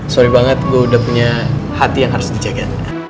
sorry banget gue udah punya hati yang harus dijaga